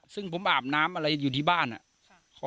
ซึ่งผมอาบน้ำอะไรอยู่ที่บ้านอ่ะ